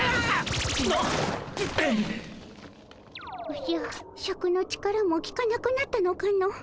おじゃシャクの力もきかなくなったのかの。